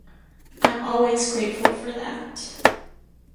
I’m always grateful for that.